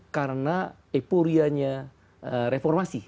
karena epurianya reformasi